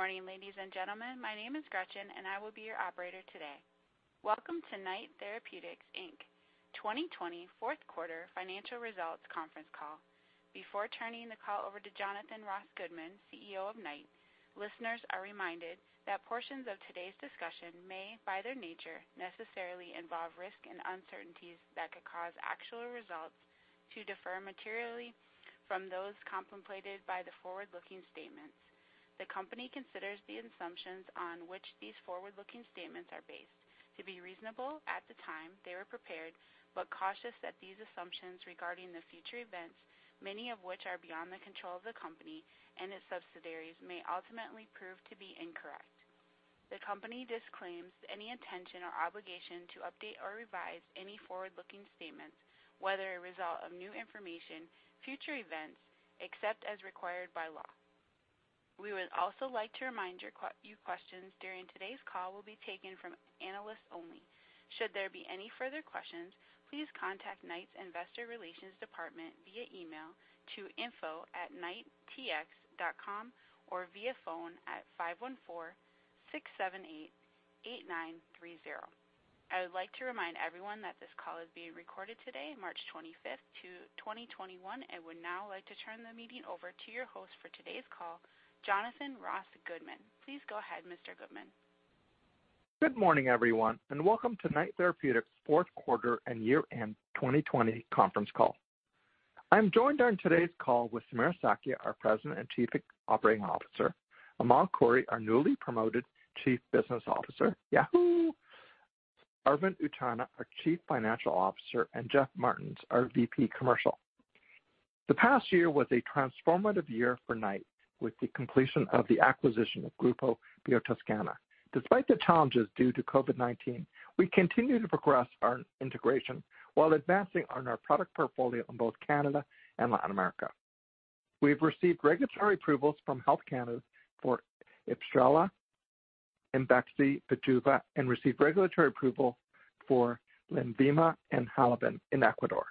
Good morning, ladies and gentlemen. My name is Gretchen and I will be your operator today. Welcome to Knight Therapeutics Inc. 2020 Fourth Quarter Financial Results Conference Call. Before turning the call over to Jonathan Ross Goodman, CEO of Knight, listeners are reminded that portions of today's discussion may, by their nature, necessarily involve risk and uncertainties that could cause actual results to differ materially from those contemplated by the forward-looking statements. The company considers the assumptions on which these forward-looking statements are based to be reasonable at the time they were prepared, but cautious that these assumptions regarding the future events, many of which are beyond the control of the company and its subsidiaries, may ultimately prove to be incorrect. The company disclaims any intention or obligation to update or revise any forward-looking statements, whether a result of new information, future events, except as required by law. We would also like to remind you questions during today's call will be taken from analysts only. Should there be any further questions, please contact Knight's investor relations department via email to info@knighttx.com, or via phone at [514] 678-8930. I would like to remind everyone that this call is being recorded today, March 25th, 2021. I would now like to turn the meeting over to your host for today's call, Jonathan Ross Goodman. Please go ahead, Mr. Goodman. Good morning, everyone, and welcome to Knight Therapeutics' Fourth Quarter and Year-End 2020 Conference Call. I'm joined on today's call with Samira Sakhia, our President and Chief Operating Officer, Amal Khouri, our newly promoted Chief Business Officer. Yahoo. Arvind Utchanah, our Chief Financial Officer, and Jeff Martens, our VP Commercial. The past year was a transformative year for Knight with the completion of the acquisition of Grupo Biotoscana. Despite the challenges due to COVID-19, we continue to progress our integration while advancing on our product portfolio in both Canada and Latin America. We've received regulatory approvals from Health Canada for IBSRELA and IMVEXXY, BIJUVA, and received regulatory approval for LENVIMA and HALAVEN in Ecuador.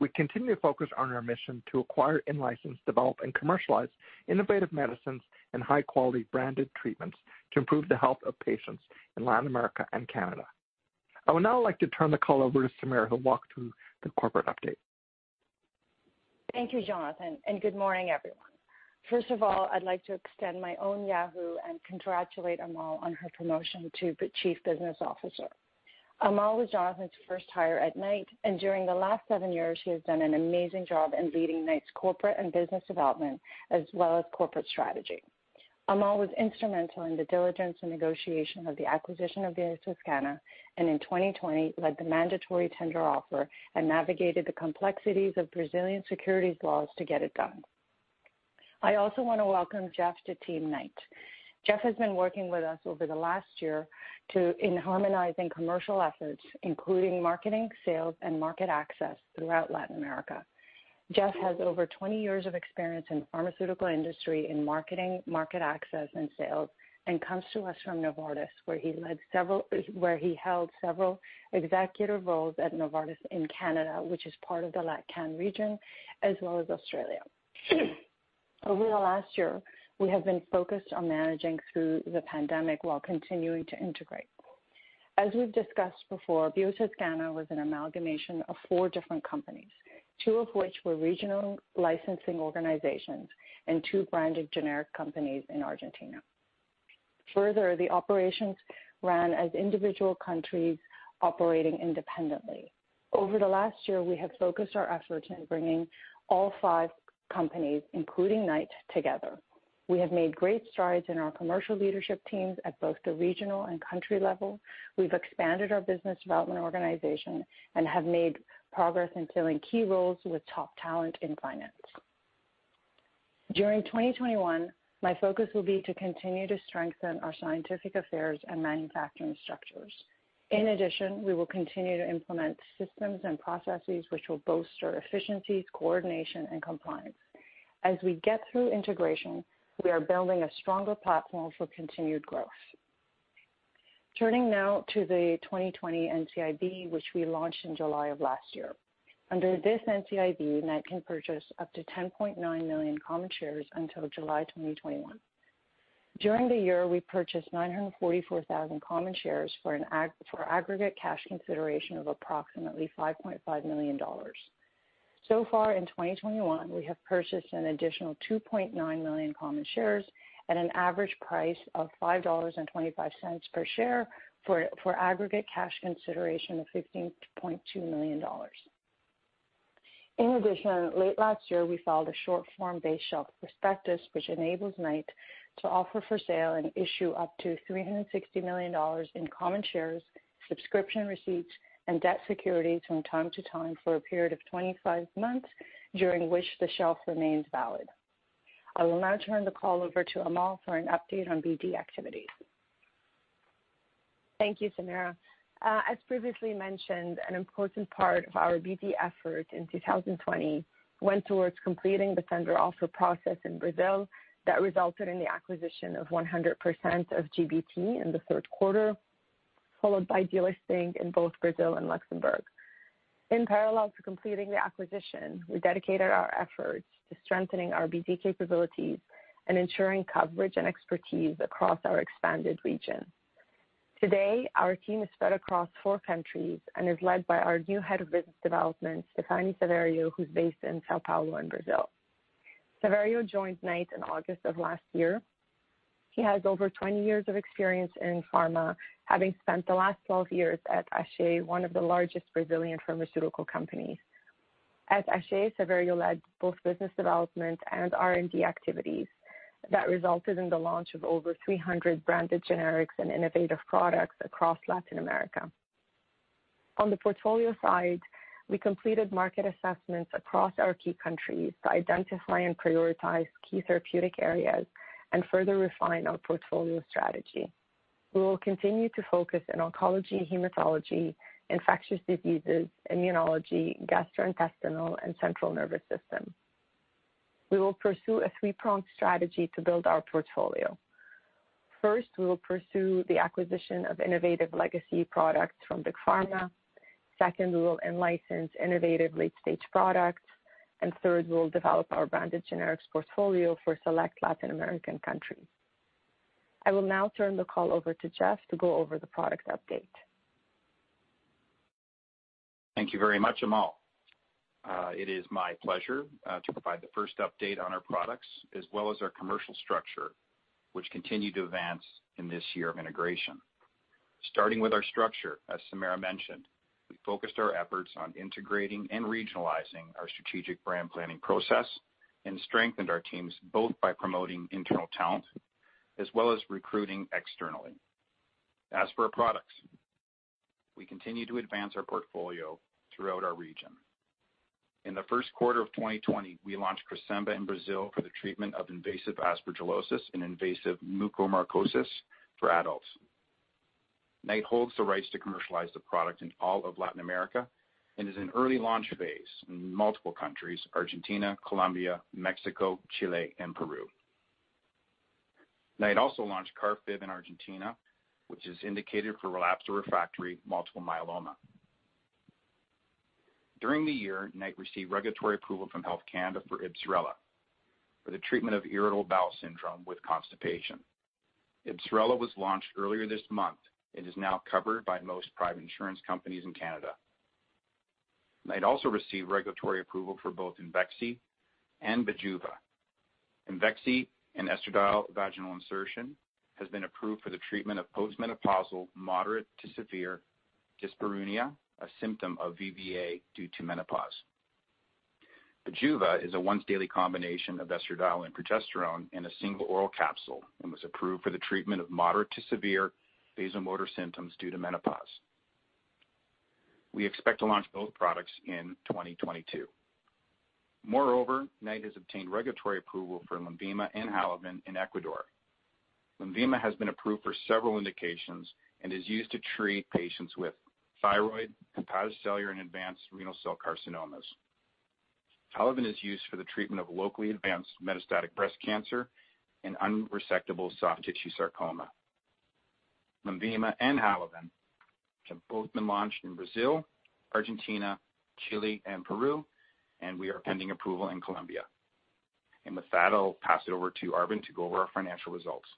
We continue to focus on our mission to acquire, in-license, develop, and commercialize innovative medicines and high-quality branded treatments to improve the health of patients in Latin America and Canada. I would now like to turn the call over to Samira, who'll walk through the corporate update. Thank you, Jonathan, and good morning, everyone. First of all, I'd like to extend my own yahoo and congratulate Amal on her promotion to the Chief Business Officer. Amal was Jonathan's first hire at Knight, and during the last seven years, she has done an amazing job in leading Knight's corporate and business development, as well as corporate strategy. Amal was instrumental in the diligence and negotiation of the acquisition of Biotoscana, and in 2020, led the mandatory tender offer and navigated the complexities of Brazilian securities laws to get it done. I also want to welcome Jeff to team Knight. Jeff has been working with us over the last year in harmonizing commercial efforts, including marketing, sales, and market access throughout Latin America. Jeff has over 20 years of experience in pharmaceutical industry, in marketing, market access, and sales, and comes to us from Novartis, where he held several executive roles at Novartis in Canada, which is part of the LatAm region, as well as Australia. Over the last year, we have been focused on managing through the pandemic while continuing to integrate. As we've discussed before, Biotoscana was an amalgamation of four different companies, two of which were regional licensing organizations and two branded generic companies in Argentina. Further, the operations ran as individual countries operating independently. Over the last year, we have focused our efforts in bringing all five companies, including Knight, together. We have made great strides in our commercial leadership teams at both the regional and country level. We've expanded our business development organization and have made progress in filling key roles with top talent in finance. During 2021, my focus will be to continue to strengthen our scientific affairs and manufacturing structures. In addition, we will continue to implement systems and processes which will bolster efficiencies, coordination, and compliance. As we get through integration, we are building a stronger platform for continued growth. Turning now to the 2020 NCIB, which we launched in July of last year. Under this NCIB, Knight can purchase up to 10.9 million common shares until July 2021. During the year, we purchased 944,000 common shares for aggregate cash consideration of approximately 5.5 million dollars. Far in 2021, we have purchased an additional 2.9 million common shares at an average price of 5.25 dollars per share for aggregate cash consideration of 15.2 million dollars. In addition, late last year, we filed a short form base shelf prospectus, which enables Knight to offer for sale and issue up to 360 million in common shares, subscription receipts, and debt securities from time to time for a period of 25 months, during which the shelf remains valid. I will now turn the call over to Amal for an update on BD activities. Thank you, Samira. As previously mentioned, an important part of our BD effort in 2020 went towards completing the tender offer process in Brazil that resulted in the acquisition of 100% of GBT in the third quarter, followed by delisting in both Brazil and Luxembourg. In parallel to completing the acquisition, we dedicated our efforts to strengthening our BD capabilities and ensuring coverage and expertise across our expanded region. Today, our team is spread across four countries and is led by our new Head of Business Development, Stefani Saverio, who is based in São Paulo in Brazil. Saverio joined Knight in August of last year. He has over 20 years of experience in pharma, having spent the last 12 years at Aché, one of the largest Brazilian pharmaceutical companies. At Aché, Saverio led both business development and R&D activities that resulted in the launch of over 300 branded generics and innovative products across Latin America. On the portfolio side, we completed market assessments across our key countries to identify and prioritize key therapeutic areas and further refine our portfolio strategy. We will continue to focus in oncology, hematology, infectious diseases, immunology, gastrointestinal, and central nervous system. We will pursue a three-pronged strategy to build our portfolio. First, we will pursue the acquisition of innovative legacy products from Big Pharma. Second, we will in-license innovative late-stage products. Third, we'll develop our branded generics portfolio for select Latin American countries. I will now turn the call over to Jeff to go over the product update. Thank you very much, Amal. It is my pleasure to provide the first update on our products as well as our commercial structure, which continue to advance in this year of integration. Starting with our structure, as Samira mentioned, we focused our efforts on integrating and regionalizing our strategic brand planning process, and strengthened our teams both by promoting internal talent as well as recruiting externally. As for our products, we continue to advance our portfolio throughout our region. In the first quarter of 2020, we launched CRESEMBA in Brazil for the treatment of invasive aspergillosis and invasive mucormycosis for adults. Knight holds the rights to commercialize the product in all of Latin America and is in early launch phase in multiple countries: Argentina, Colombia, Mexico, Chile, and Peru. Knight also launched Karfib in Argentina, which is indicated for relapsed or refractory multiple myeloma. During the year, Knight received regulatory approval from Health Canada for IBSRELA for the treatment of irritable bowel syndrome with constipation. IBSRELA was launched earlier this month and is now covered by most private insurance companies in Canada. Knight also received regulatory approval for both IMVEXXY and BIJUVA. IMVEXXY an estradiol vaginal insertion has been approved for the treatment of postmenopausal, moderate to severe dyspareunia, a symptom of VVA due to menopause. BIJUVA is a once-daily combination of estradiol and progesterone in a single oral capsule and was approved for the treatment of moderate to severe vasomotor symptoms due to menopause. We expect to launch both products in 2022. Knight has obtained regulatory approval for LENVIMA and HALAVEN in Ecuador. LENVIMA has been approved for several indications and is used to treat patients with thyroid, hepatocellular, and advanced renal cell carcinomas. HALAVEN is used for the treatment of locally advanced metastatic breast cancer and unresectable soft tissue sarcoma. LENVIMA and HALAVEN have both been launched in Brazil, Argentina, Chile, and Peru, and we are pending approval in Colombia. With that, I'll pass it over to Arvind to go over our financial results.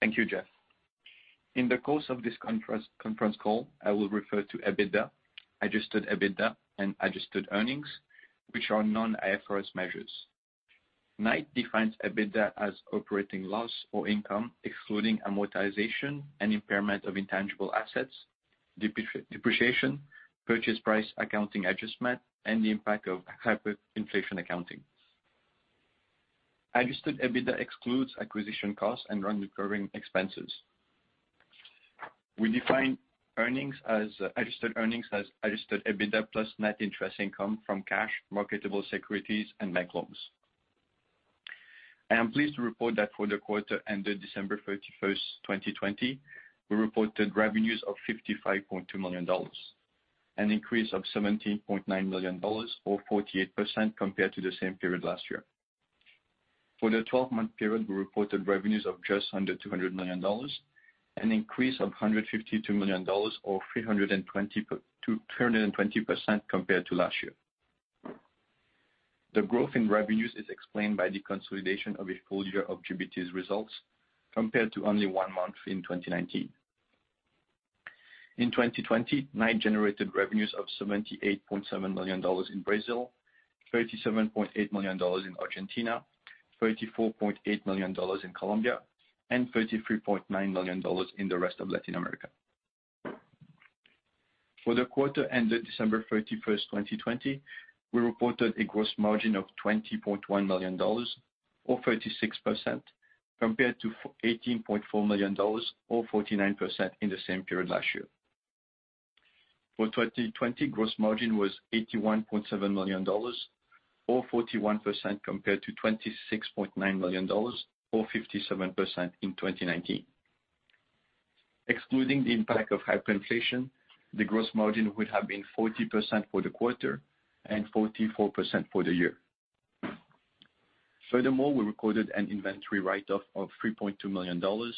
Thank you, Jeff. In the course of this conference call, I will refer to EBITDA, adjusted EBITDA, and adjusted earnings, which are non-IFRS measures. Knight defines EBITDA as operating loss or income, excluding amortization and impairment of intangible assets, depreciation, purchase price, accounting adjustment, and the impact of hyperinflation accounting. Adjusted EBITDA excludes acquisition costs and non-recurring expenses. We define adjusted earnings as adjusted EBITDA plus net interest income from cash, marketable securities, and bank loans. I am pleased to report that for the quarter ended December 31, 2020, we reported revenues of 55.2 million dollars, an increase of 17.9 million dollars or 48% compared to the same period last year. For the 12-month period, we reported revenues of just under 200 million dollars, an increase of 152 million dollars or 320% compared to last year. The growth in revenues is explained by the consolidation of a full year of GBT's results compared to only one month in 2019. In 2020, Knight generated revenues of CAD 78.7 million in Brazil, CAD 37.8 million in Argentina, CAD 34.8 million in Colombia, and CAD 33.9 million in the rest of Latin America. For the quarter ended December 31st, 2020, we reported a gross margin of 20.1 million dollars or 36%, compared to 18.4 million dollars or 49% in the same period last year. For 2020, gross margin was 81.7 million dollars or 41% compared to 26.9 million dollars or 57% in 2019. Excluding the impact of hyperinflation, the gross margin would have been 40% for the quarter and 44% for the year. Furthermore, we recorded an inventory write-off of 3.2 million dollars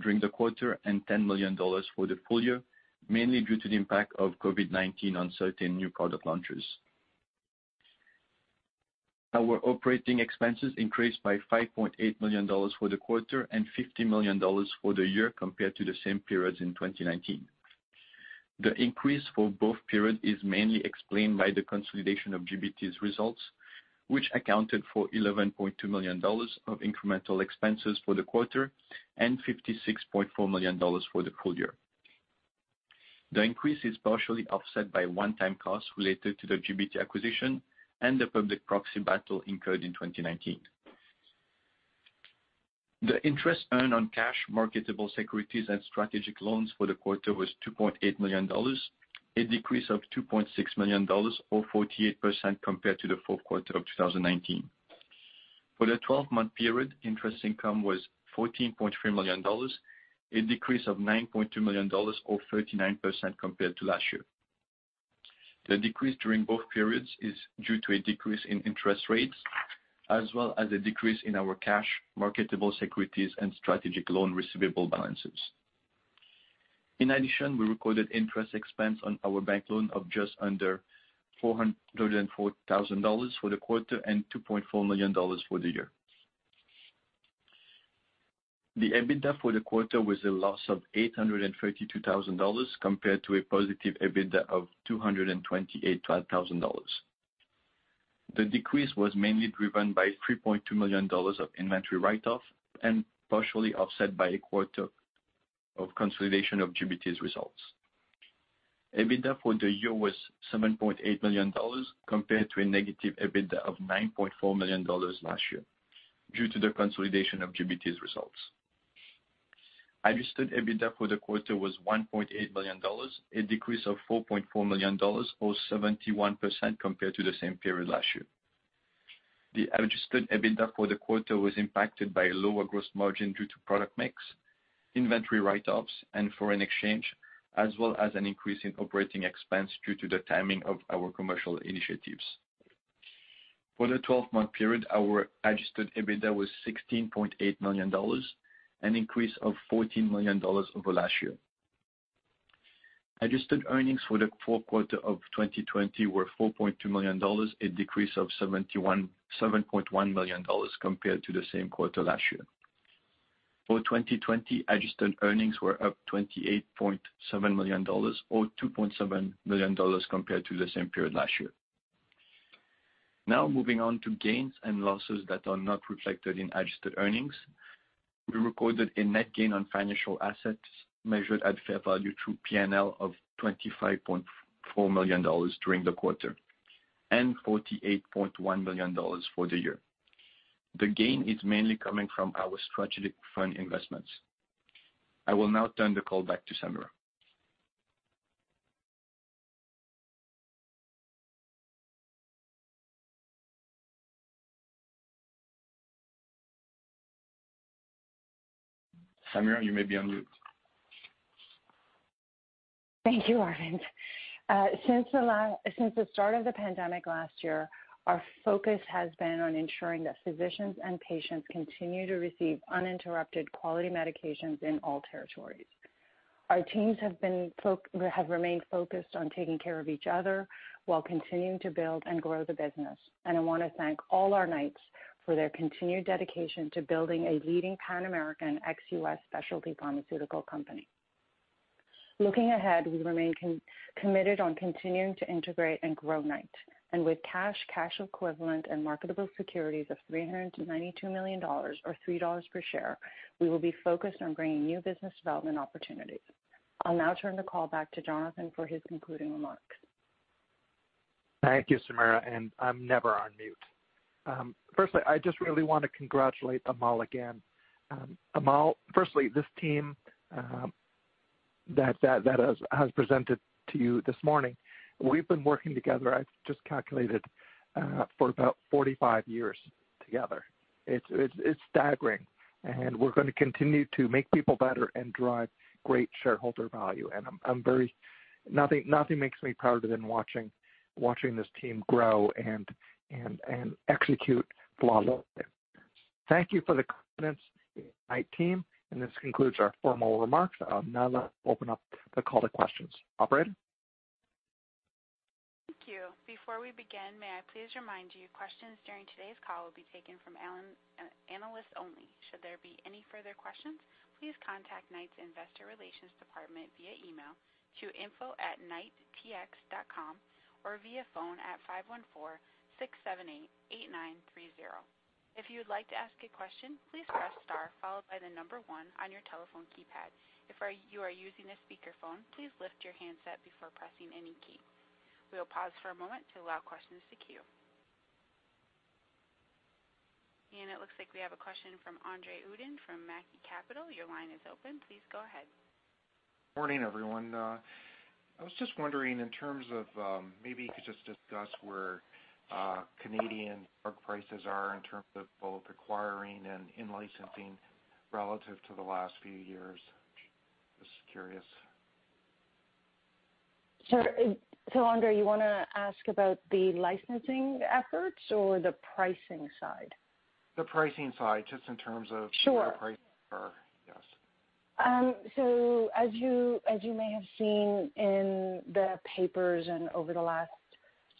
during the quarter and 10 million dollars for the full year, mainly due to the impact of COVID-19 on certain new product launches. Our operating expenses increased by 5.8 million dollars for the quarter and 50 million dollars for the year compared to the same periods in 2019. The increase for both periods is mainly explained by the consolidation of GBT's results, which accounted for 11.2 million dollars of incremental expenses for the quarter and 56.4 million dollars for the full year. The increase is partially offset by one-time costs related to the GBT acquisition and the public proxy battle incurred in 2019. The interest earned on cash marketable securities and strategic loans for the quarter was 2.8 million dollars, a decrease of 2.6 million dollars or 48% compared to the fourth quarter of 2019. For the 12-month period, interest income was 14.3 million dollars, a decrease of 9.2 million dollars or 39% compared to last year. The decrease during both periods is due to a decrease in interest rates, as well as a decrease in our cash marketable securities and strategic loan receivable balances. In addition, we recorded interest expense on our bank loan of just under 404,000 dollars for the quarter and 2.4 million dollars for the year. The EBITDA for the quarter was a loss of 832,000 dollars compared to a positive EBITDA of 228,000 dollars. The decrease was mainly driven by 3.2 million dollars of inventory write-off and partially offset by a quarter of consolidation of GBT's results. EBITDA for the year was 7.8 million dollars compared to a negative EBITDA of 9.4 million dollars last year due to the consolidation of GBT's results. Adjusted EBITDA for the quarter was 1.8 million dollars, a decrease of 4.4 million dollars or 71% compared to the same period last year. The adjusted EBITDA for the quarter was impacted by lower gross margin due to product mix, inventory write-offs, and foreign exchange, as well as an increase in operating expense due to the timing of our commercial initiatives. For the 12-month period, our adjusted EBITDA was 16.8 million dollars, an increase of 14 million dollars over last year. Adjusted earnings for the fourth quarter of 2020 were 4.2 million dollars, a decrease of 7.1 million dollars compared to the same quarter last year. For 2020, adjusted earnings were up 28.7 million dollars or 2.7 million dollars compared to the same period last year. Moving on to gains and losses that are not reflected in adjusted earnings. We recorded a net gain on financial assets measured at fair value through P&L of 25.4 million dollars during the quarter and 48.1 million dollars for the year. The gain is mainly coming from our strategic fund investments. I will now turn the call back to Samira. Samira, you may be on mute. Thank you, Arvind. Since the start of the pandemic last year, our focus has been on ensuring that physicians and patients continue to receive uninterrupted quality medications in all territories. Our teams have remained focused on taking care of each other while continuing to build and grow the business. I want to thank all our Knights for their continued dedication to building a leading Pan-American ex-U.S. specialty pharmaceutical company. Looking ahead, we remain committed on continuing to integrate and grow Knight. With cash equivalent, and marketable securities of 392 million dollars or 3 dollars per share, we will be focused on bringing new business development opportunities. I'll now turn the call back to Jonathan for his concluding remarks. Thank you, Samira. I'm never on mute. Firstly, I just really want to congratulate Amal again. Amal, firstly, this team that has presented to you this morning, we've been working together, I've just calculated, for about 45 years together. It's staggering. We're going to continue to make people better and drive great shareholder value. Nothing makes me prouder than watching this team grow and execute flawlessly. Thank you for the confidence in the Knight team. This concludes our formal remarks. Now let's open up the call to questions. Operator? Thank you. Before we begin, may I please remind you, questions during today's call will be taken from analysts only. Should there be any further questions, please contact Knight's investor relations department via email to info@knighttx.com or via phone at 514-678-8930. If you would like to ask a question, please press star followed by the number one on your telephone keypad. If you are using a speakerphone, please lift your handset before pressing any key. We will pause for a moment to allow questions to queue. It looks like we have a question from André Uddin from Mackie Capital. Your line is open. Please go ahead. Morning, everyone. I was just wondering in terms of maybe you could just discuss where Canadian drug prices are in terms of both acquiring and in-licensing relative to the last few years. Just curious. André, you want to ask about the licensing efforts or the pricing side? The pricing side. Sure your price for, yes. As you may have seen in the papers and over the last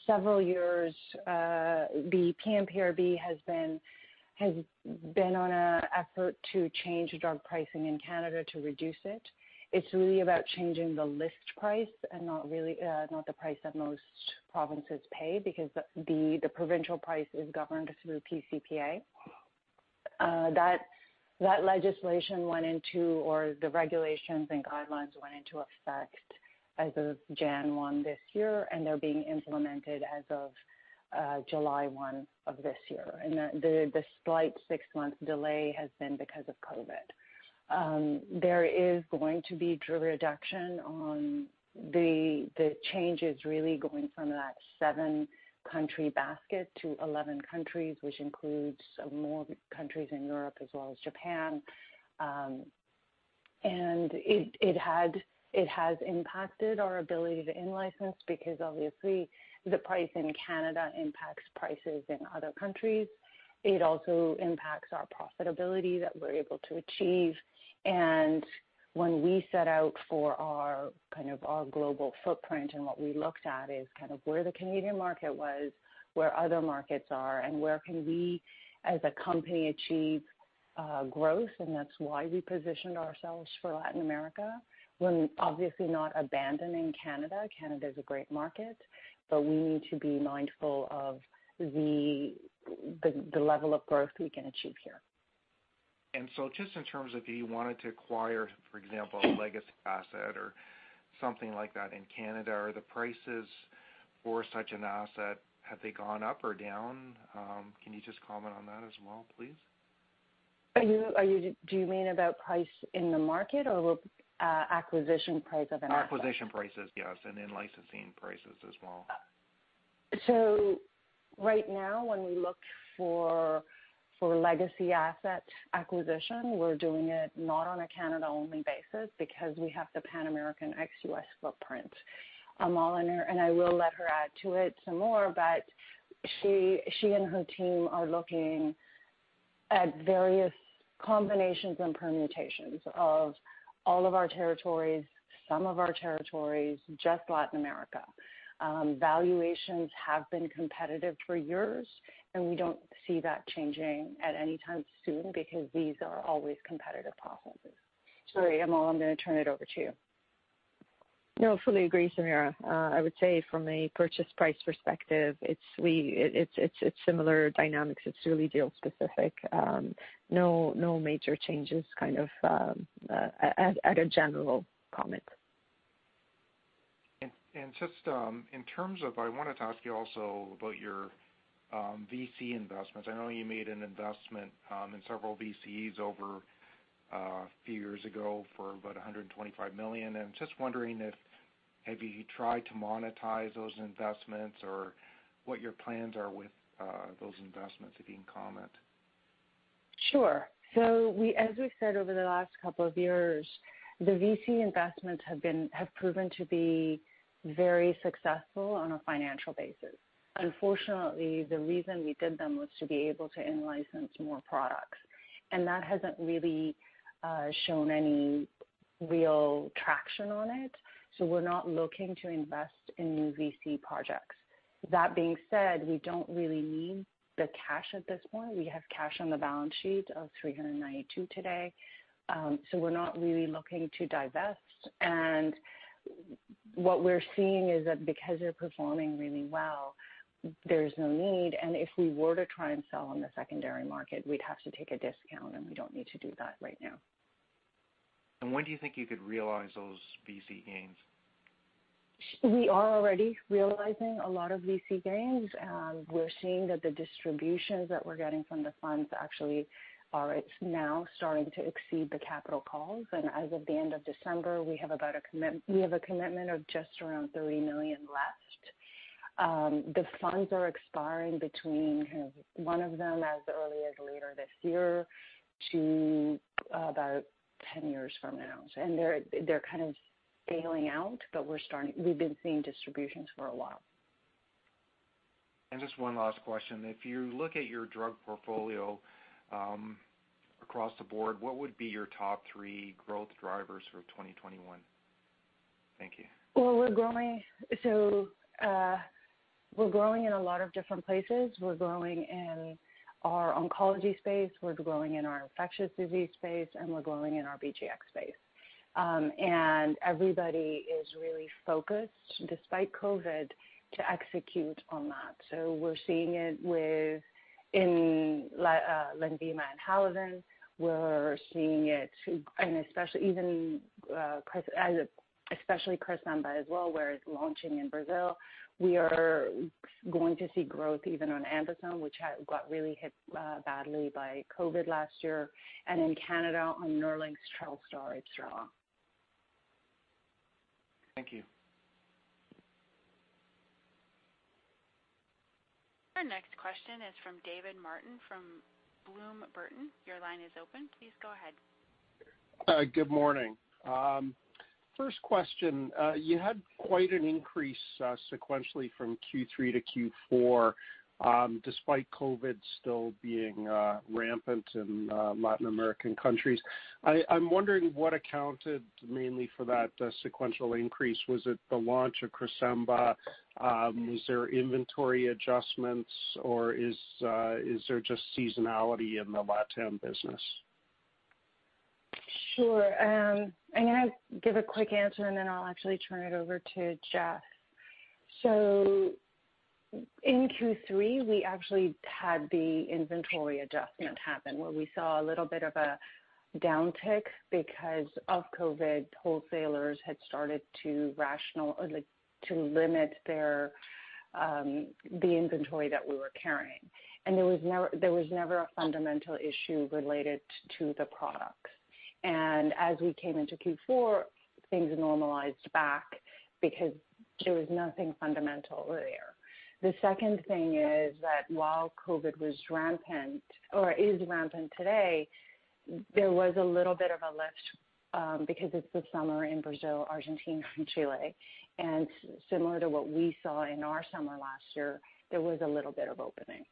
several years, the PMPRB has been on an effort to change drug pricing in Canada to reduce it. It's really about changing the list price and not the price that most provinces pay, because the provincial price is governed through pCPA. That legislation went into, or the regulations and guidelines went into effect as of January 1 this year, and they're being implemented as of July 1 of this year. The slight six-month delay has been because of COVID. There is going to be reduction on the changes really going from that seven-country basket to 11 countries, which includes more countries in Europe as well as Japan. It has impacted our ability to in-license because obviously the price in Canada impacts prices in other countries. It also impacts our profitability that we're able to achieve. When we set out for our global footprint, and what we looked at is kind of where the Canadian market was, where other markets are, and where can we as a company achieve growth, and that's why we positioned ourselves for Latin America. We're obviously not abandoning Canada. Canada's a great market. We need to be mindful of the level of growth we can achieve here. Just in terms of if you wanted to acquire, for example, a legacy asset or something like that in Canada, are the prices for such an asset, have they gone up or down? Can you just comment on that as well, please? Do you mean about price in the market or acquisition price of an asset? Acquisition prices, yes, and in-licensing prices as well. Right now, when we look for legacy asset acquisition, we're doing it not on a Canada-only basis because we have the Pan-American ex-U.S. footprint. Amal and I will let her add to it some more, but she and her team are looking at various combinations and permutations of all of our territories, some of our territories, just Latin America. Valuations have been competitive for years, and we don't see that changing at any time soon because these are always competitive processes. Sorry, Amal, I'm going to turn it over to you. No, fully agree, Samira. I would say from a purchase price perspective, it's similar dynamics. It's really deal specific. No major changes, kind of, as a general comment. Just in terms of, I wanted to ask you also about your VC investments. I know you made an investment in several VCs over a few years ago for about 125 million, and I'm just wondering, have you tried to monetize those investments or what your plans are with those investments, if you can comment? As we said over the last couple of years, the VC investments have proven to be very successful on a financial basis. Unfortunately, the reason we did them was to be able to in-license more products, and that hasn't really shown any real traction on it. We're not looking to invest in new VC projects. That being said, we don't really need the cash at this point. We have cash on the balance sheet of 392 today, so we're not really looking to divest. What we're seeing is that because they're performing really well, there's no need. If we were to try and sell on the secondary market, we'd have to take a discount, and we don't need to do that right now. When do you think you could realize those VC gains? We are already realizing a lot of VC gains. We're seeing that the distributions that we're getting from the funds actually are now starting to exceed the capital calls. As of the end of December, we have a commitment of just around 30 million left. The funds are expiring between one of them as early as later this year to about 10 years from now. They're kind of failing out, but we've been seeing distributions for a while. Just one last question. If you look at your drug portfolio, across the board, what would be your top three growth drivers for 2021? Thank you. We're growing in a lot of different places. We're growing in our oncology space, we're growing in our infectious disease space, and we're growing in our BGx space. Everybody is really focused, despite COVID, to execute on that. We're seeing it in LENVIMA and HALAVEN. We're seeing it, and especially CRESEMBA as well, where it's launching in Brazil. We are going to see growth even on AmBisome, which got really hit badly by COVID last year, and in Canada on NERLYNX, TRELSTA. Thank you. Our next question is from David Martin from Bloom Burton. Your line is open. Please go ahead. Good morning. First question, you had quite an increase sequentially from Q3 to Q4, despite COVID still being rampant in Latin American countries. I am wondering what accounted mainly for that sequential increase. Was it the launch of CRESEMBA? Is there inventory adjustments or is there just seasonality in the Latam business? Sure. I'm going to give a quick answer and then I'll actually turn it over to Jeff. In Q3, we actually had the inventory adjustment happen, where we saw a little bit of a downtick because of COVID. Wholesalers had started to limit the inventory that we were carrying. There was never a fundamental issue related to the products. As we came into Q4, things normalized back because there was nothing fundamental there. The second thing is that while COVID was rampant or is rampant today, there was a little bit of a lift because it's the summer in Brazil, Argentina, and Chile. Similar to what we saw in our summer last year, there was a little bit of opening.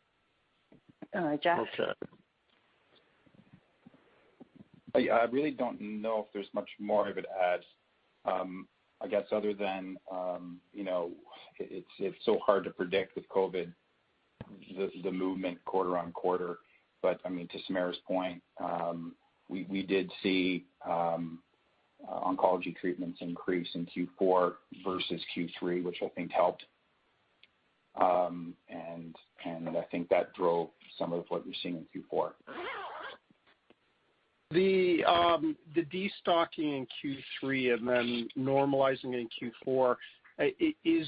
Jeff? I really don't know if there's much more I could add. I guess other than, it's so hard to predict with COVID, the movement quarter-on-quarter. To Samira's point, we did see oncology treatments increase in Q4 versus Q3, which I think helped. I think that drove some of what you're seeing in Q4. The de-stocking in Q3 and then normalizing in Q4, is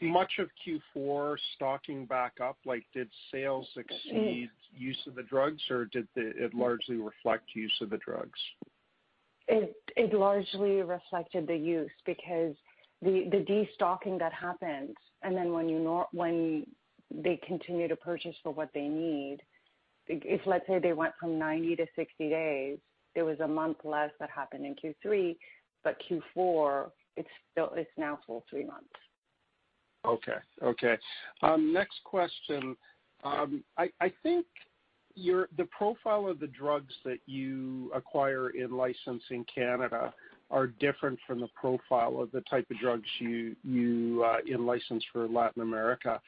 much of Q4 stocking back up? Did sales exceed use of the drugs or did it largely reflect use of the drugs? It largely reflected the use because the de-stocking that happened, and then when they continue to purchase for what they need, if let's say they went from 90 to 60 days, it was a month less that happened in Q3, but Q4, it's now full three months. Okay. Next question. I think the profile of the drugs that you acquire in licensing Canada are different from the profile of the type of drugs you in-license for Latin America.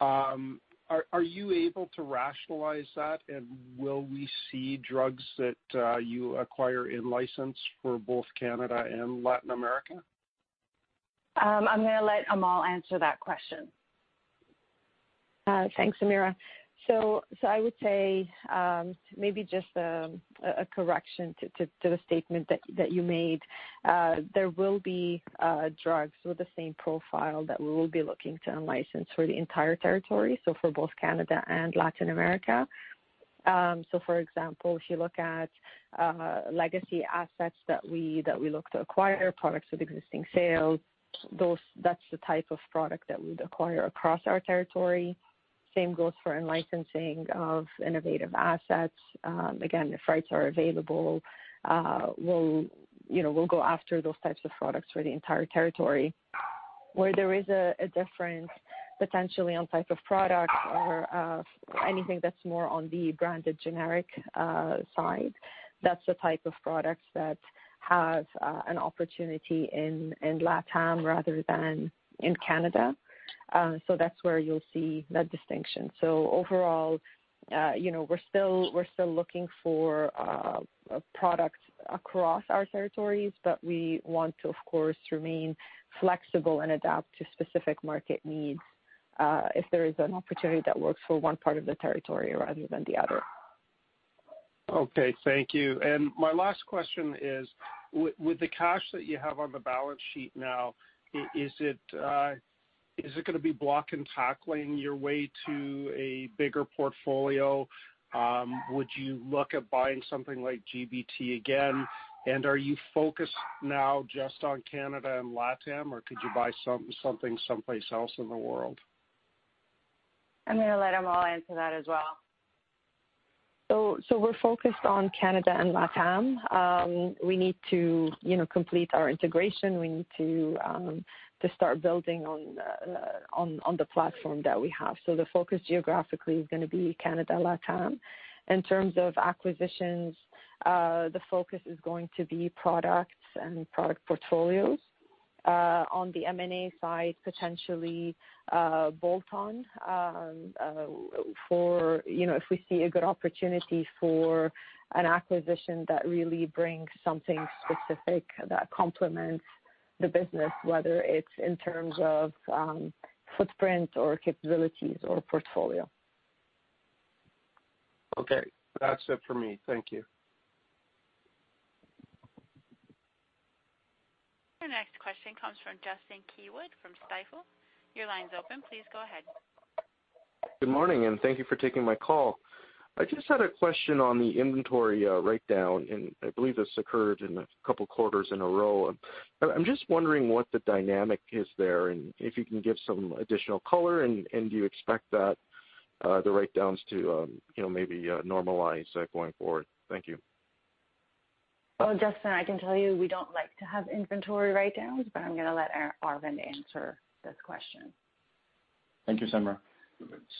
Are you able to rationalize that and will we see drugs that you acquire in-license for both Canada and Latin America? I'm going to let Amal answer that question. Thanks, Samira. I would say, maybe just a correction to the statement that you made. There will be drugs with the same profile that we will be looking to in-license for the entire territory, for both Canada and Latin America. For example, if you look at legacy assets that we look to acquire, products with existing sales, that's the type of product that we'd acquire across our territory. Same goes for in-licensing of innovative assets. Again, if rights are available, we'll go after those types of products for the entire territory. Where there is a difference potentially on type of products or anything that's more on the branded generic side, that's the type of products that have an opportunity in LatAm rather than in Canada. That's where you'll see that distinction. Overall, we're still looking for products across our territories, but we want to, of course, remain flexible and adapt to specific market needs if there is an opportunity that works for one part of the territory rather than the other. Okay, thank you. My last question is, with the cash that you have on the balance sheet now, is it going to be block and tackling your way to a bigger portfolio? Would you look at buying something like GBT again? Are you focused now just on Canada and LatAm, or could you buy something someplace else in the world? I'm going to let Amal answer that as well. We're focused on Canada and LatAm. We need to complete our integration. We need to start building on the platform that we have. The focus geographically is going to be Canada, LatAm. In terms of acquisitions, the focus is going to be products and product portfolios. On the M&A side, potentially bolt-on, if we see a good opportunity for an acquisition that really brings something specific that complements the business, whether it's in terms of footprint or capabilities or portfolio. Okay. That's it for me. Thank you. Your next question comes from Justin Keywood from Stifel. Your line's open. Please go ahead. Good morning. Thank you for taking my call. I just had a question on the inventory write-down, and I believe this occurred in a couple of quarters in a row. I'm just wondering what the dynamic is there, and if you can give some additional color, and do you expect the write-downs to maybe normalize going forward? Thank you. Well, Justin, I can tell you we don't like to have inventory write-downs, but I'm going to let Arvind answer this question. Thank you,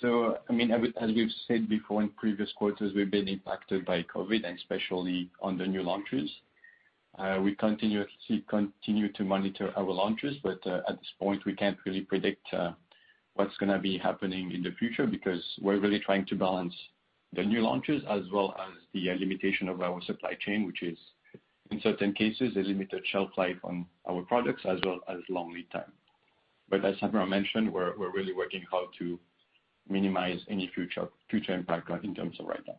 Samira. As we've said before in previous quarters, we've been impacted by COVID and especially on the new launches. We continue to monitor our launches, but at this point, we can't really predict what's going to be happening in the future because we're really trying to balance the new launches as well as the limitation of our supply chain, which is, in certain cases, a limited shelf life on our products as well as long lead time. As Samira mentioned, we're really working hard to minimize any future impact in terms of write-down.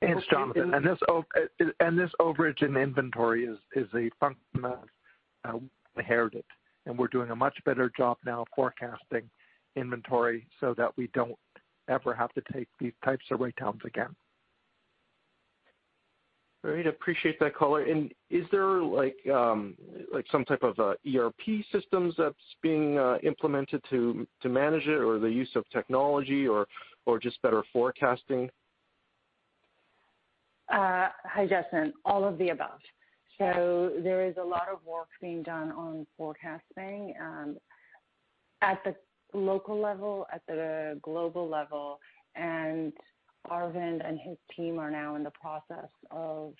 It's Jonathan, this overage in inventory is a function of inherited, and we're doing a much better job now forecasting inventory so that we don't ever have to take these types of write-downs again. Great, appreciate that color. Is there some type of ERP systems that's being implemented to manage it or the use of technology or just better forecasting? Hi, Justin. All of the above. There is a lot of work being done on forecasting at the local level, at the global level. Arvind and his team are now in the process of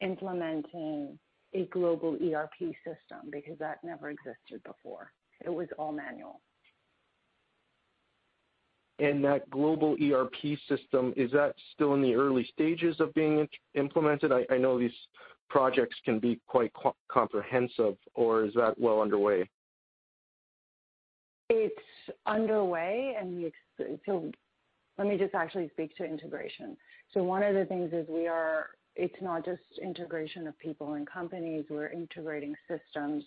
implementing a global ERP system because that never existed before. It was all manual. That global ERP system, is that still in the early stages of being implemented? I know these projects can be quite comprehensive, or is that well underway? It's underway. Let me just actually speak to integration. One of the things is it's not just integration of people and companies, we're integrating systems,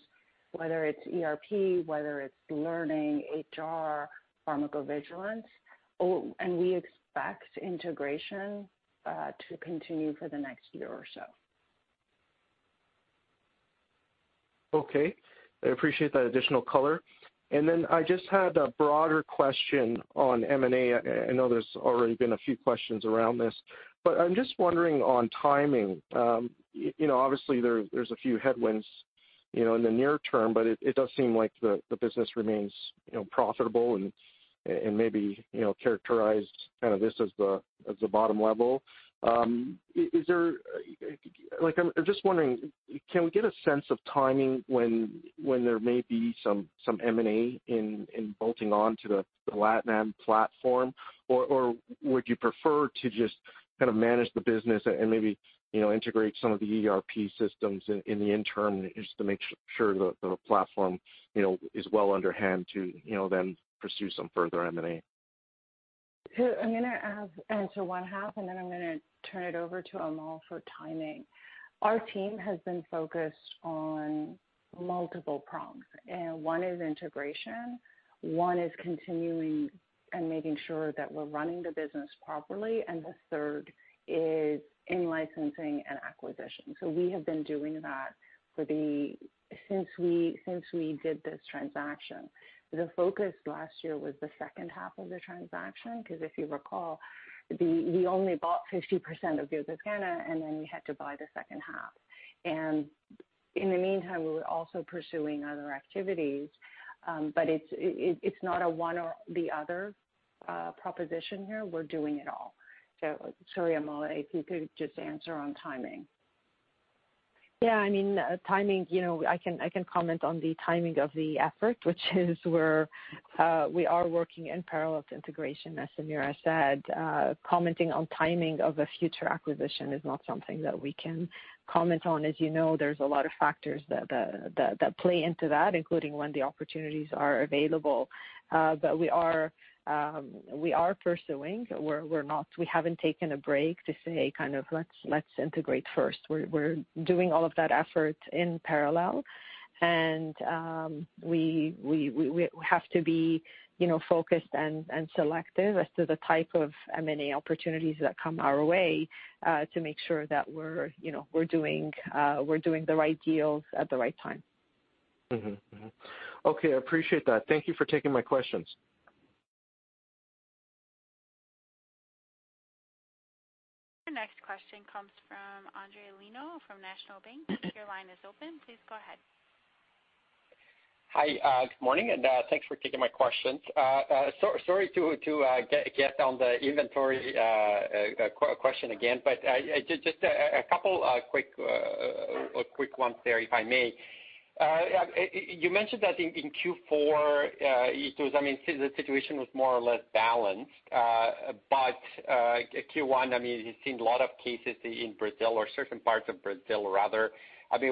whether it's ERP, whether it's learning, HR, pharmacovigilance. We expect integration to continue for the next year or so. Okay. I appreciate that additional color. Then I just had a broader question on M&A. I know there's already been a few questions around this, but I'm just wondering on timing. Obviously, there's a few headwinds in the near term, but it does seem like the business remains profitable and maybe characterized this as the bottom level. I'm just wondering, can we get a sense of timing when there may be some M&A in bolting onto the LatAm platform? Or would you prefer to just manage the business and maybe integrate some of the ERP systems in the interim just to make sure the platform is well under hand to then pursue some further M&A? I'm going to answer one half and then I'm going to turn it over to Amal for timing. Our team has been focused on multiple prongs, and one is integration, one is continuing and making sure that we're running the business properly, and the third is in licensing and acquisition. We have been doing that since we did this transaction. The focus last year was the second half of the transaction, because if you recall, we only bought 50% of Grupo Biotoscana and then we had to buy the second half. In the meantime, we were also pursuing other activities. It's not a one or the other proposition here. We're doing it all. Sorry, Amal, if you could just answer on timing. Yeah, I can comment on the timing of the effort, which is where we are working in parallel to integration, as Samira said. Commenting on timing of a future acquisition is not something that we can comment on. As you know, there's a lot of factors that play into that, including when the opportunities are available. We are pursuing. We haven't taken a break to say, "Let's integrate first." We're doing all of that effort in parallel and we have to be focused and selective as to the type of M&A opportunities that come our way, to make sure that we're doing the right deals at the right time. Mm-hmm. Okay. I appreciate that. Thank you for taking my questions. Your next question comes from Endri Leno from National Bank. Your line is open. Please go ahead. Hi, good morning, and thanks for taking my questions. Sorry to get on the inventory question again, but just a couple quick ones there, if I may. You mentioned that in Q4, the situation was more or less balanced. Q1, you've seen a lot of cases in Brazil or certain parts of Brazil rather. Would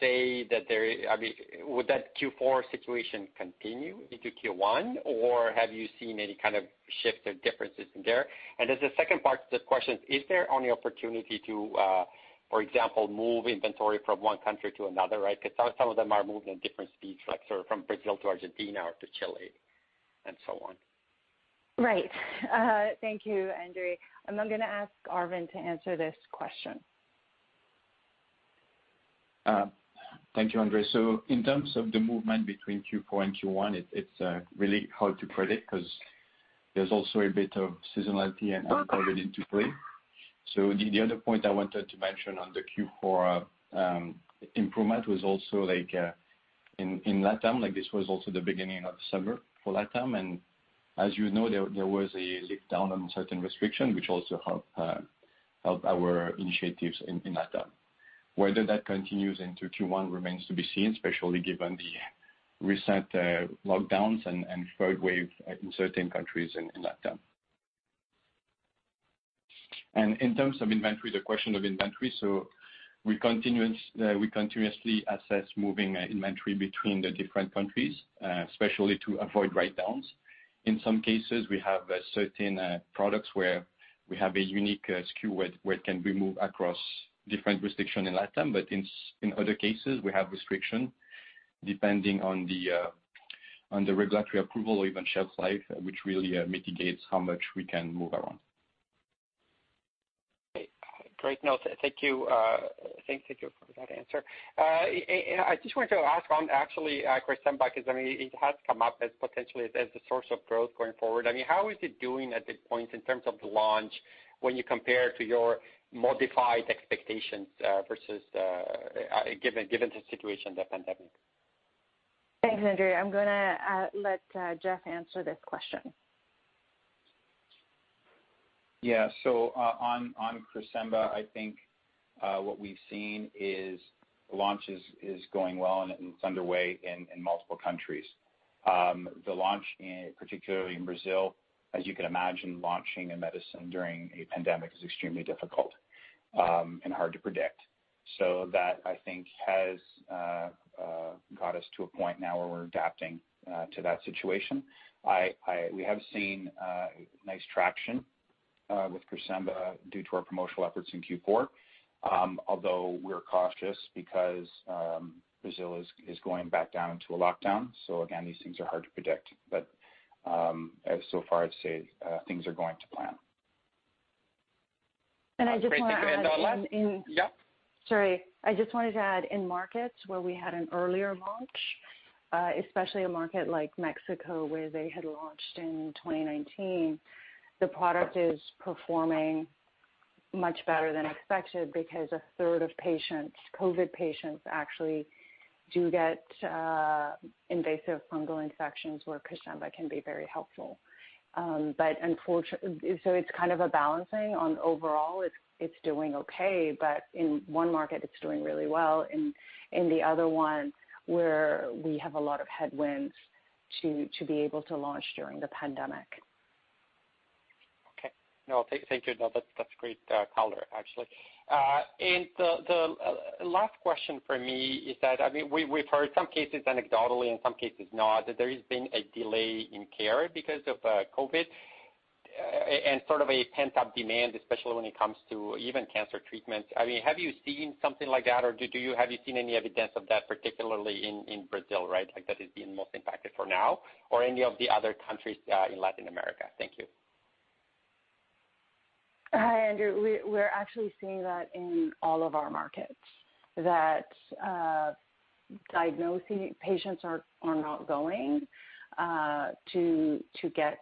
that Q4 situation continue into Q1, or have you seen any kind of shifts or differences in there? As the second part of the question, is there any opportunity to, for example, move inventory from one country to another, right? Because some of them are moving at different speeds, like from Brazil to Argentina or to Chile and so on. Right. Thank you, Endri. I'm going to ask Arvind to answer this question. Thank you, Endri. In terms of the movement between Q4 and Q1, it's really hard to predict because there's also a bit of seasonality and COVID into play. The other point I wanted to mention on the Q4 improvement was also in LatAm, this was also the beginning of the summer for LatAm. As you know, there was a lift down on certain restriction, which also helped our initiatives in LatAm. Whether that continues into Q1 remains to be seen, especially given the recent lockdowns and third wave in certain countries in LatAm. In terms of inventory, the question of inventory, we continuously assess moving inventory between the different countries, especially to avoid write-downs. In some cases, we have certain products where we have a unique SKU where it can be moved across different restriction in LatAm. In other cases, we have restriction depending on the regulatory approval or even shelf life, which really mitigates how much we can move around. Okay. Great note. Thank you for that answer. I just wanted to ask on actually CRESEMBA, because it has come up as potentially as a source of growth going forward. How is it doing at this point in terms of the launch when you compare to your modified expectations versus given the situation, the pandemic? Thanks, Endri. I'm going to let Jeff answer this question. On CRESEMBA, I think what we've seen is launch is going well and it's underway in multiple countries. The launch, particularly in Brazil, as you can imagine, launching a medicine during a pandemic is extremely difficult and hard to predict. That, I think has got us to a point now where we're adapting to that situation. We have seen nice traction with CRESEMBA due to our promotional efforts in Q4. Although we're cautious because Brazil is going back down into a lockdown. Again, these things are hard to predict, but so far I'd say things are going to plan. And I just wanted to add in- Great. Thank you. Yep. I just wanted to add, in markets where we had an earlier launch, especially a market like Mexico where they had launched in 2019, the product is performing much better than expected because a third of COVID patients actually do get invasive fungal infections where CRESEMBA can be very helpful. It's kind of a balancing on overall, it's doing okay, but in one market it's doing really well, in the other one where we have a lot of headwinds to be able to launch during the pandemic. Okay. No, thank you. That's great color, actually. The last question from me is that, we've heard some cases anecdotally and some cases not, that there has been a delay in care because of COVID and sort of a pent-up demand, especially when it comes to even cancer treatment. Have you seen something like that or have you seen any evidence of that particularly in Brazil, right? Like that has been most impacted for now or any of the other countries in Latin America? Thank you. Hi, Endri. We're actually seeing that in all of our markets, that patients are not going to get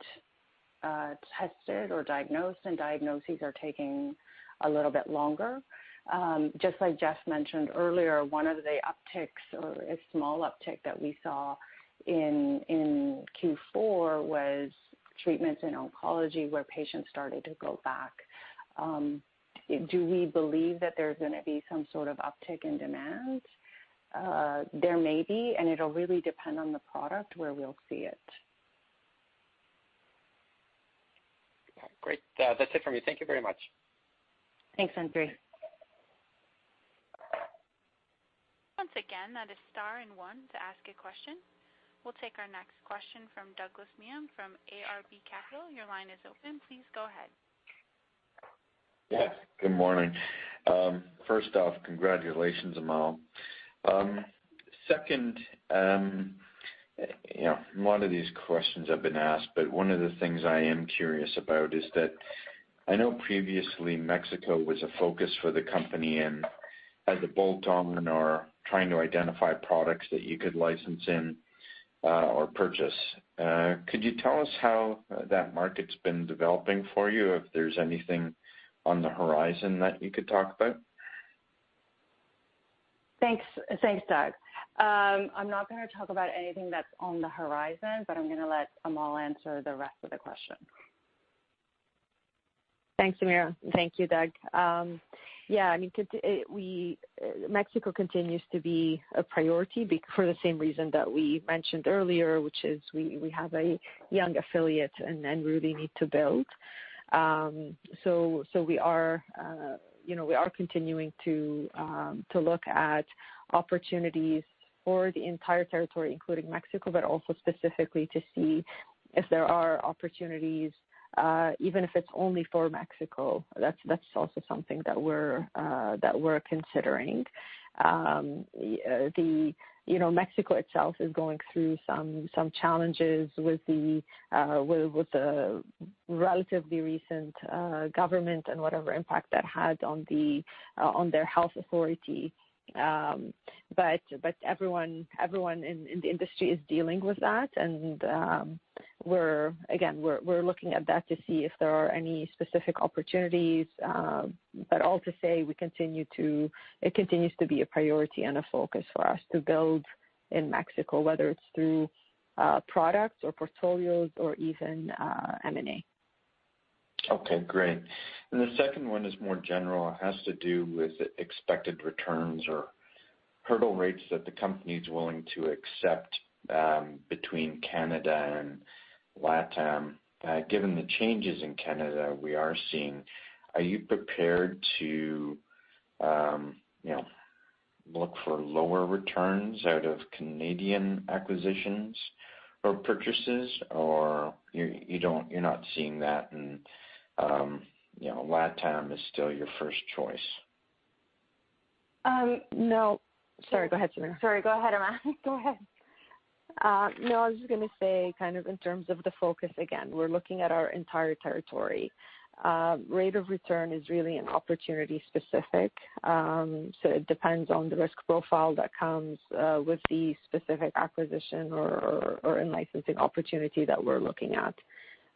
tested or diagnosed, and diagnoses are taking a little bit longer. Just like Jeff mentioned earlier, one of the upticks or a small uptick that we saw in Q4 was treatments in oncology where patients started to go back. Do we believe that there's going to be some sort of uptick in demand? There may be, and it'll really depend on the product where we'll see it. Okay, great. That's it for me. Thank you very much. Thanks, Endri. Once again, that is star and one to ask a question. We'll take our next question from Douglas Miehm from RBC Capital. Your line is open. Please go ahead. Yes, good morning. First off, congratulations, Amal. Second, a lot of these questions have been asked, but one of the things I am curious about is that I know previously Mexico was a focus for the company and as a bolt-on or trying to identify products that you could license in or purchase. Could you tell us how that market's been developing for you, if there's anything on the horizon that you could talk about? Thanks, Doug. I'm not going to talk about anything that's on the horizon, but I'm going to let Amal answer the rest of the question. Thanks, Samira. Thank you, Doug. Mexico continues to be a priority for the same reason that we mentioned earlier, which is we have a young affiliate and really need to build. We are continuing to look at opportunities for the entire territory, including Mexico, but also specifically to see if there are opportunities even if it's only for Mexico. That's also something that we're considering. Mexico itself is going through some challenges with the relatively recent government and whatever impact that had on their health authority. Everyone in the industry is dealing with that, and again, we're looking at that to see if there are any specific opportunities. All to say, it continues to be a priority and a focus for us to build in Mexico, whether it's through products or portfolios or even M&A. Okay, great. The second one is more general. It has to do with expected returns or hurdle rates that the company's willing to accept between Canada and LatAm. Given the changes in Canada we are seeing, are you prepared to look for lower returns out of Canadian acquisitions or purchases, or you're not seeing that in LatAm is still your first choice? No. Sorry, go ahead, Samira. Sorry, go ahead, Amal. Go ahead. I was just going to say in terms of the focus, again, we're looking at our entire territory. Rate of return is really an opportunity specific. It depends on the risk profile that comes with the specific acquisition or in licensing opportunity that we're looking at.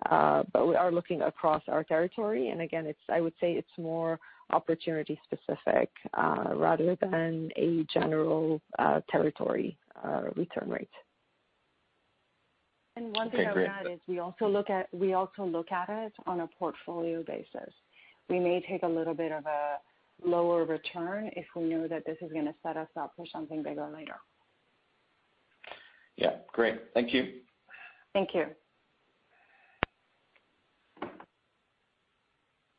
We are looking across our territory, and again, I would say it's more opportunity specific rather than a general territory return rate. Okay, great. One thing on that is we also look at it on a portfolio basis. We may take a little bit of a lower return if we know that this is going to set us up for something bigger later. Yeah. Great. Thank you. Thank you.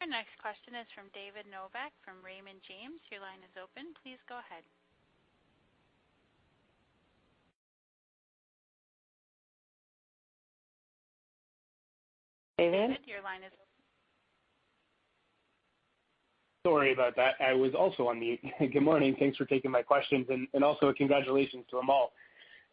Our next question is from David Novak from Raymond James. Your line is open. Please go ahead. David, your line is open. Sorry about that. I was also on mute. Good morning. Thanks for taking my questions, and also congratulations to Amal.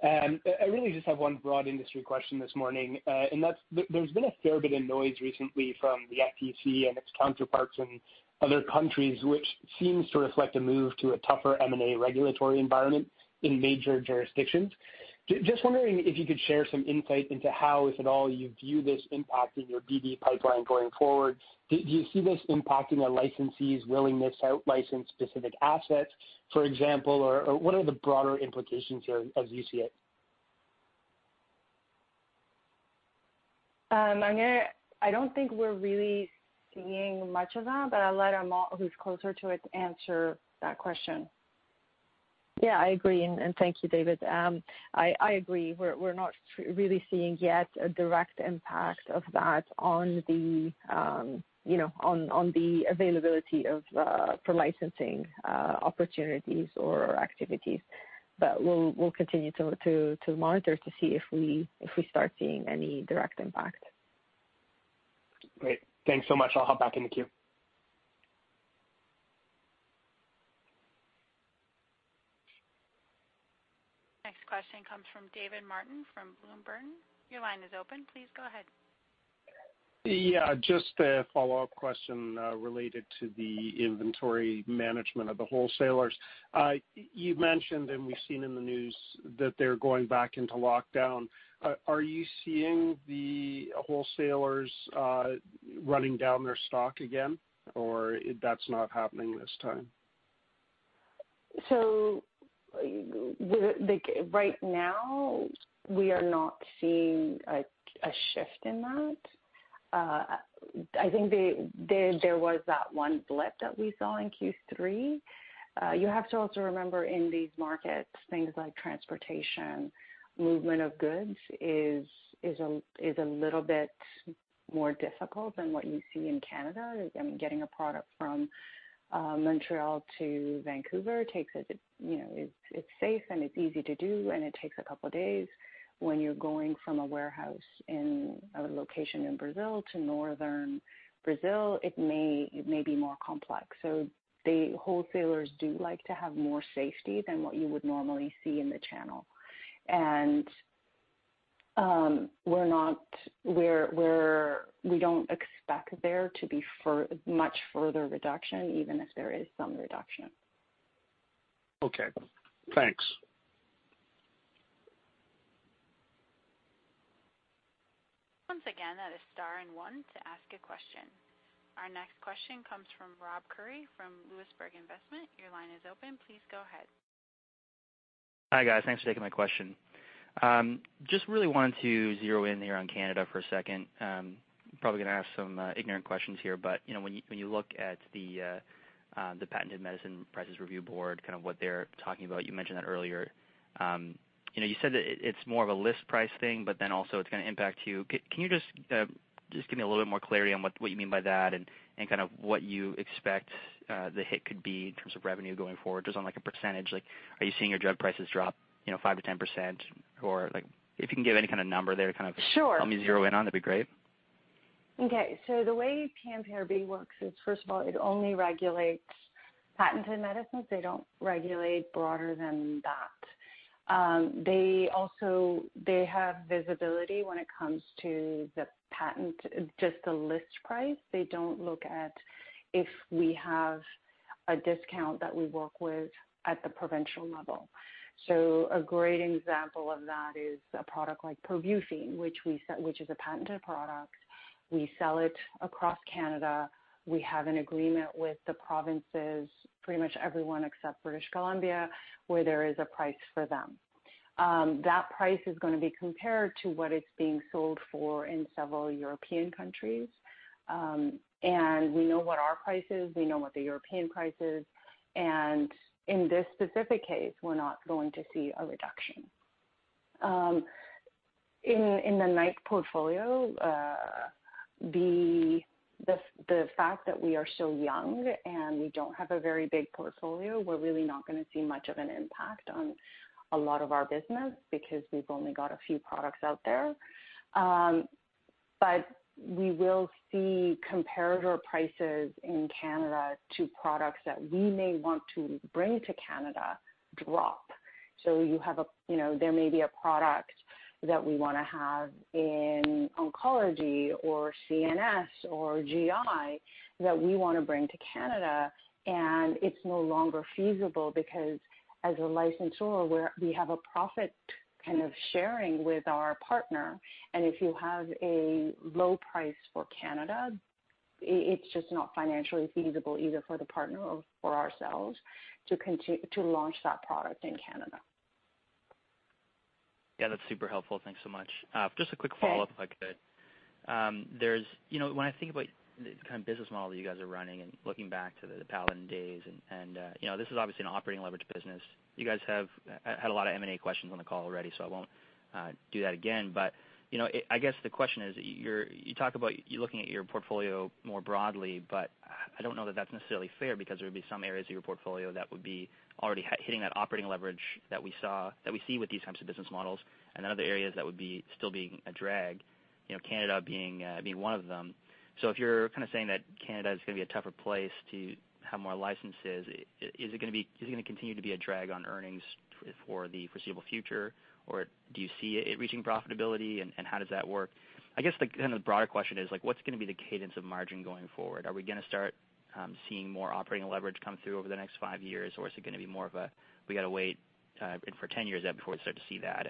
I really just have one broad industry question this morning, and that is there has been a fair bit of noise recently from the FTC and its counterparts in other countries, which seems to reflect a move to a tougher M&A regulatory environment in major jurisdictions. Just wondering if you could share some insight into how, if at all, you view this impacting your BD pipeline going forward. Do you see this impacting a licensee's willingness to out-license specific assets, for example, or what are the broader implications here as you see it? I don't think we're really seeing much of that, but I'll let Amal, who's closer to it, answer that question. Yeah, I agree. Thank you, David. I agree. We're not really seeing yet a direct impact of that on the availability for licensing opportunities or activities. We'll continue to monitor to see if we start seeing any direct impact. Great. Thanks so much. I'll hop back in the queue. Next question comes from David Martin from Bloom Burton. Your line is open. Please go ahead. Yeah, just a follow-up question related to the inventory management of the wholesalers. You mentioned, and we've seen in the news that they're going back into lockdown. Are you seeing the wholesalers running down their stock again, or that's not happening this time? Right now, we are not seeing a shift in that. I think there was that one blip that we saw in Q3. You have to also remember, in these markets, things like transportation, movement of goods is a little bit more difficult than what you see in Canada. Getting a product from Montreal to Vancouver, it's safe and it's easy to do, and it takes a couple of days. When you're going from a warehouse in a location in Brazil to Northern Brazil, it may be more complex. The wholesalers do like to have more safety than what you would normally see in the channel. We don't expect there to be much further reduction, even if there is some reduction. Okay. Thanks. Once again, that is star and one to ask a question. Our next question comes from Rob Currie from Louisbourg Investments. Your line is open. Please go ahead. Hi, guys. Thanks for taking my question. Really wanted to zero in here on Canada for a second. Probably going to ask some ignorant questions here. When you look at the Patented Medicine Prices Review Board, what they're talking about, you mentioned that earlier. You said that it's more of a list price thing. Also, it's going to impact you. Can you just give me a little bit more clarity on what you mean by that and what you expect the hit could be in terms of revenue going forward, just on a percentage. Are you seeing your drug prices drop 5%-10%? If you can give any kind of number there. Sure help me zero in on, that'd be great. The way PMPRB works is, first of all, it only regulates patented medicines. They don't regulate broader than that. They have visibility when it comes to the patent, just the list price. They don't look at if we have a discount that we work with at the provincial level. A great example of that is a product like PROBUPHINE which is a patented product. We sell it across Canada. We have an agreement with the provinces, pretty much everyone except British Columbia, where there is a price for them. That price is going to be compared to what it's being sold for in several European countries. We know what our price is, we know what the European price is, and in this specific case, we're not going to see a reduction. In the Knight portfolio, the fact that we are so young and we don't have a very big portfolio, we're really not going to see much of an impact on a lot of our business because we've only got a few products out there. We will see comparator prices in Canada to products that we may want to bring to Canada drop. There may be a product that we want to have in oncology or CNS or GI that we want to bring to Canada, and it's no longer feasible because as a licensor, we have a profit kind of sharing with our partner, and if you have a low price for Canada, it's just not financially feasible either for the partner or for ourselves to launch that product in Canada. Yeah, that's super helpful. Thanks so much. Just a quick follow-up, if I could. Sure. When I think about the kind of business model that you guys are running and looking back to the Paladin days, and this is obviously an operating leverage business. You guys have had a lot of M&A questions on the call already. I won't do that again. I guess the question is, you talk about you looking at your portfolio more broadly, but I don't know that that's necessarily fair because there would be some areas of your portfolio that would be already hitting that operating leverage that we see with these types of business models, and then other areas that would be still being a drag, Canada being one of them. If you're kind of saying that Canada is going to be a tougher place to have more licenses, is it going to continue to be a drag on earnings for the foreseeable future? Do you see it reaching profitability, and how does that work? I guess the kind of broader question is, what's going to be the cadence of margin going forward? Are we going to start seeing more operating leverage come through over the next five years, or is it going to be more of a, we've got to wait for 10 years before we start to see that?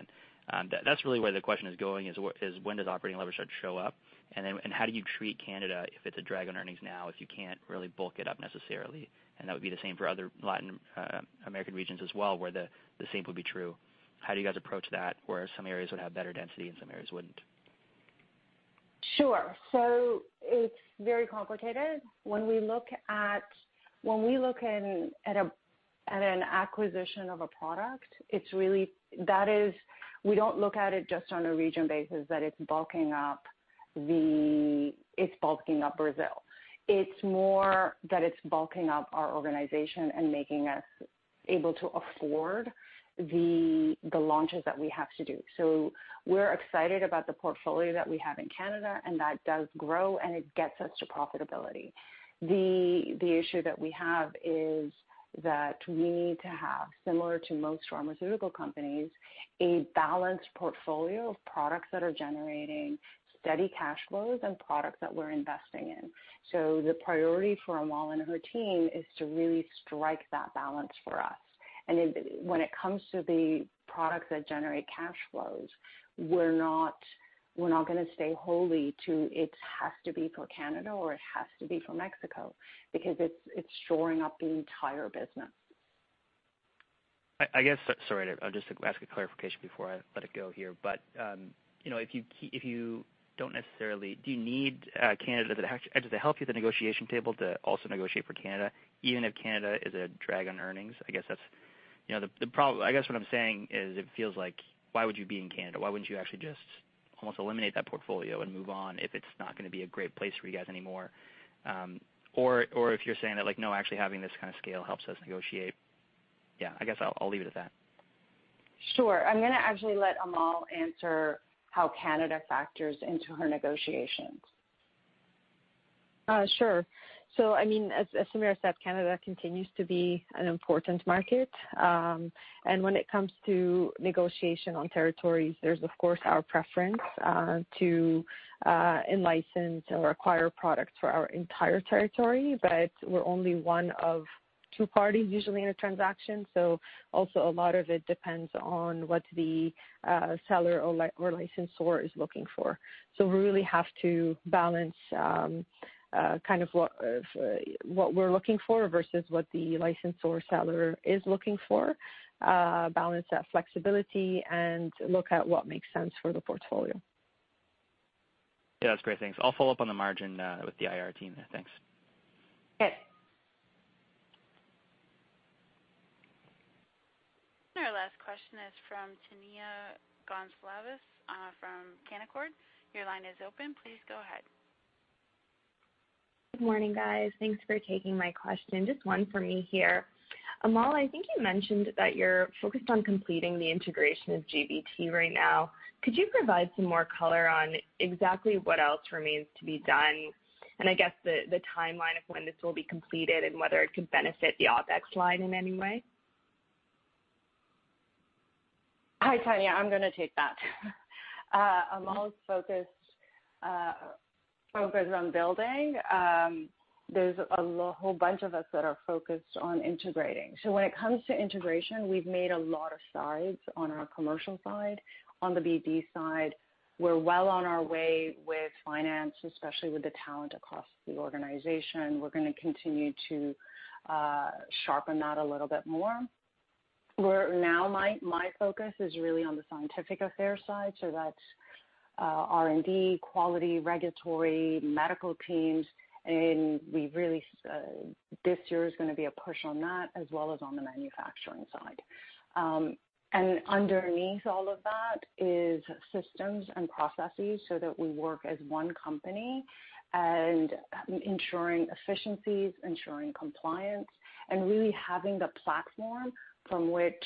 That's really where the question is going, is when does operating leverage start to show up, and how do you treat Canada if it's a drag on earnings now, if you can't really bulk it up necessarily? That would be the same for other Latin American regions as well, where the same would be true. How do you guys approach that, where some areas would have better density and some areas wouldn't? Sure. It's very complicated. When we look at an acquisition of a product, we don't look at it just on a region basis, that it's bulking up Brazil. It's more that it's bulking up our organization and making us able to afford the launches that we have to do. We're excited about the portfolio that we have in Canada, and that does grow, and it gets us to profitability. The issue that we have is that we need to have, similar to most pharmaceutical companies, a balanced portfolio of products that are generating steady cash flows and products that we're investing in. The priority for Amal and her team is to really strike that balance for us. When it comes to the products that generate cash flows, we're not going to stay wholly to, it has to be for Canada or it has to be for Mexico, because it's shoring up the entire business. I'll just ask a clarification before I let it go here. Do you need Canada. Does it help you at the negotiation table to also negotiate for Canada, even if Canada is a drag on earnings? I guess what I'm saying is it feels like, why would you be in Canada? Why wouldn't you actually just almost eliminate that portfolio and move on if it's not going to be a great place for you guys anymore? If you're saying that, "No, actually having this kind of scale helps us negotiate." I guess I'll leave it at that. Sure. I'm going to actually let Amal answer how Canada factors into her negotiations. Sure. As Samira said, Canada continues to be an important market. When it comes to negotiation on territories, there's, of course, our preference to in-license or acquire products for our entire territory, but we're only one of two parties usually in a transaction. Also a lot of it depends on what the seller or licensor is looking for. We really have to balance what we're looking for versus what the licensor or seller is looking for, balance that flexibility and look at what makes sense for the portfolio. Yeah, that's great. Thanks. I'll follow up on the margin with the IR team then. Thanks. Okay. Our last question is from Tania Gonsalves from Canaccord. Your line is open. Please go ahead. Good morning, guys. Thanks for taking my question. Just one for me here. Amal, I think you mentioned that you're focused on completing the integration of GBT right now. Could you provide some more color on exactly what else remains to be done? I guess the timeline of when this will be completed and whether it could benefit the OpEx line in any way. Hi, Tania. I'm going to take that. Amal's focused on building. There's a whole bunch of us that are focused on integrating. When it comes to integration, we've made a lot of strides on our commercial side, on the BD side. We're well on our way with finance, especially with the talent across the organization. We're going to continue to sharpen that a little bit more. My focus is really on the scientific affairs side, so that's R&D, quality, regulatory, medical teams, and this year is going to be a push on that as well as on the manufacturing side. Underneath all of that is systems and processes so that we work as one company and ensuring efficiencies, ensuring compliance, and really having the platform from which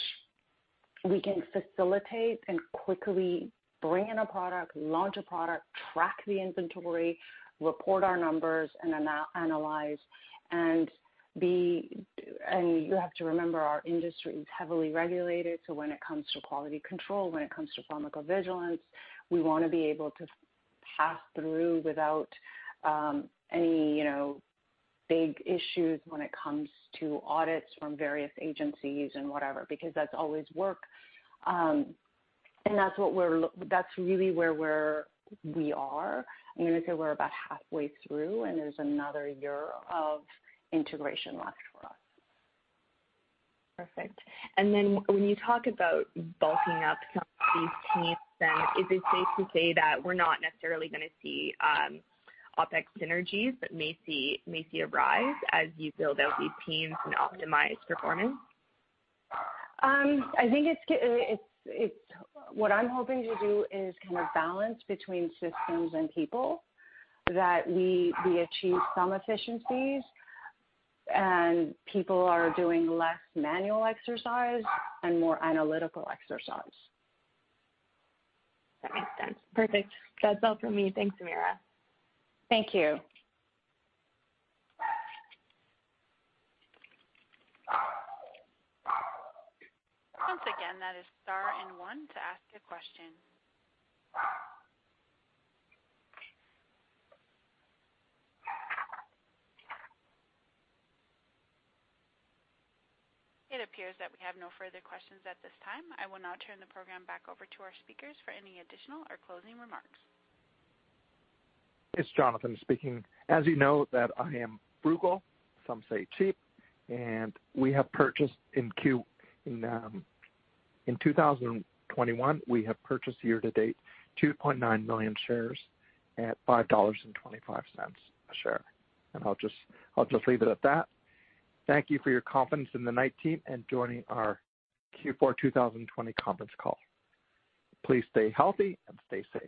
we can facilitate and quickly bring in a product, launch a product, track the inventory, report our numbers, and analyze. You have to remember, our industry is heavily regulated, so when it comes to quality control, when it comes to pharmacovigilance, we want to be able to pass through without any big issues when it comes to audits from various agencies and whatever, because that's always work. That's really where we are. I'm going to say we're about halfway through, and there's another year of integration left for us. Perfect. When you talk about bulking up some of these teams, then is it safe to say that we're not necessarily going to see OpEx synergies that may see a rise as you build out these teams and optimize performance? What I'm hoping to do is balance between systems and people, that we achieve some efficiencies, and people are doing less manual exercise and more analytical exercise. That makes sense. Perfect. That's all from me. Thanks, Samira. Thank you. Once again, that is star one to ask a question. It appears that we have no further questions at this time. I will now turn the program back over to our speakers for any additional or closing remarks. It's Jonathan speaking. As you know that I am frugal, some say cheap, and we have purchased in 2021, we have purchased year to date, 2.9 million shares at 5.25 dollars a share. I'll just leave it at that. Thank you for your confidence in the Knight team and joining our Q4 2020 conference call. Please stay healthy and stay safe.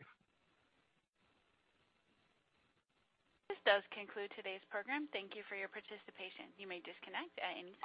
This does conclude today's program. Thank you for your participation. You may disconnect at any time.